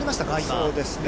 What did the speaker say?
そうですね。